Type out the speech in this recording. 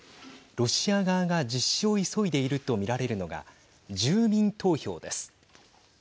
ロシア側が実施を急いでいると見られるのが住民投票です。